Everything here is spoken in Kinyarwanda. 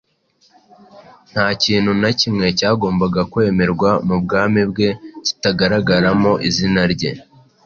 Nta kintu na kimwe cyagombaga kwemerwa mu bwami bwe kitagaragaramo izina rye